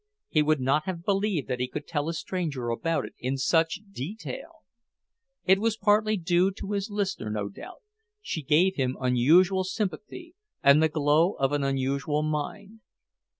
He would not have believed that he could tell a stranger about it in such detail. It was partly due to his listener, no doubt; she gave him unusual sympathy, and the glow of an unusual mind.